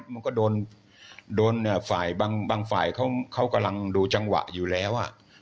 มันก็โดนฝ่ายบางฝ่ายเขากำลังดูจังหวะอยู่แล้ว